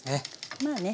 まあね